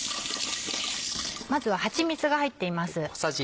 まずははちみつが入っています。